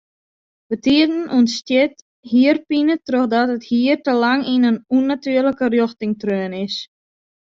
Bytiden ûntstiet hierpine trochdat it hier te lang yn in ûnnatuerlike rjochting treaun is.